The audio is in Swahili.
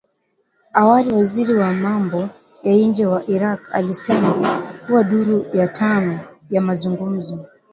Awali waziri wa mambo ya nje wa Iraq alisema kuwa duru ya tano ya mazungumzo